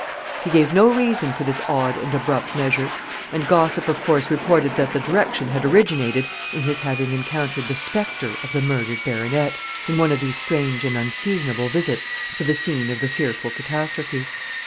He gave no reason for this odd and abrupt measure, and gossip of course reported that the direction had originated in his having encountered the specter of the murdered baronet, in one of these strange and unseasonable visits to the scene of the fearful catastrophe.